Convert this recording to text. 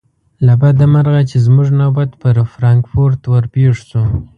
له بده مرغه چې زموږ نوبت پر فرانکفورت ور پیښ شو.